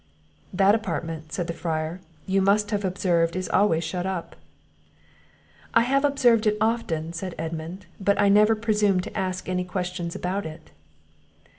"That apartment," said the friar, "you must have observed is always shut up." "I have observed it often," said Edmund; "but I never presumed to ask any questions about it."